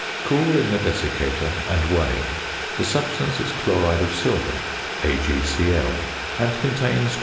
Cool in the desiccator and weigh. The substance is chloride of silver (AgCl), and contains 24.